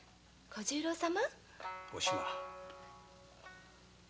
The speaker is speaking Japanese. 小十郎様